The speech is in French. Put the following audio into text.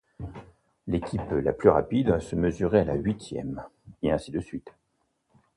L'équipe la plus rapide se mesurait à la huitième et ainsi de suite.